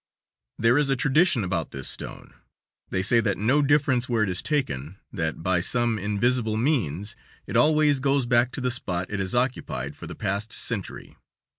There is a tradition about this stone; they say that no difference where it is taken, that by some invisible means it always goes back to the spot it has occupied for the past century.